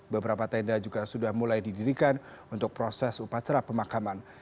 beberapa tenda juga sudah mulai didirikan untuk proses upacara pemakaman